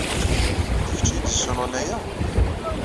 D kečč ay d-yessunɣen aya?